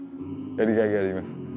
やりがいがあります。